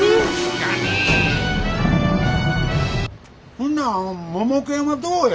ほなモモケンはどうや。